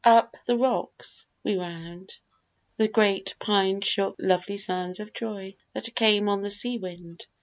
Up the rocks we wound; The great pine shook with lovely sounds of joy, That came on the sea wind.